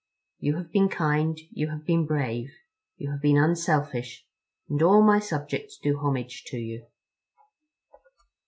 You have been kind, you have been brave, you have been unselfish, and all my subjects do homage to you."